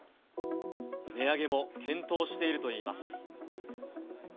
値上げも検討しているといいます。